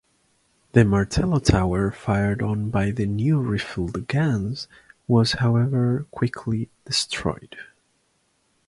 The Martello tower fired on by the new rifled guns was however quickly destroyed.